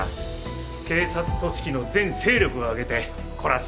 警察組織の全勢力をあげてこらしめろって。